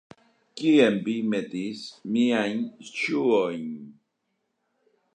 Kien vi metis miajn ŝuojn?